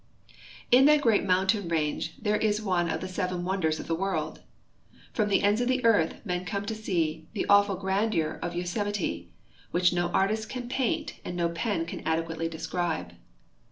In that great mountain range there is one of the seven wonders of the world. From the ends of the earth men come to see the awful grandeur of Yosemite, which no artist can paint and no pen can adequately describe.